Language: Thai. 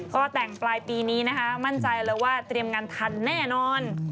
ก็แต่งปลายปีนี้นะคะมั่นใจเลยว่าเตรียมงานทันแน่นอน